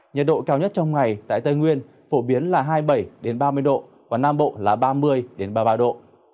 nhiệt độ cao nhất trong ngày tại tây nguyên phổ biến là hai mươi bảy ba mươi độ và nam bộ là ba mươi ba mươi ba độ